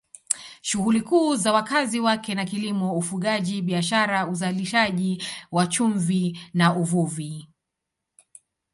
Shughuli kuu za wakazi wake ni kilimo, ufugaji, biashara, uzalishaji wa chumvi na uvuvi.